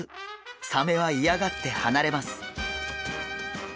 サメは嫌がって離れます。